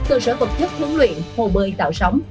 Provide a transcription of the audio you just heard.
cơ sở vật chất huấn luyện hồ bơi tạo sóng